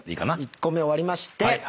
１個目終わりまして。